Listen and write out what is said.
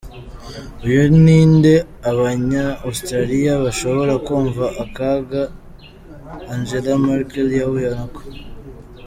"Uyu ni nde? Abanya-Australia bashobora kumva akaga Angela Merkel yahuye nako".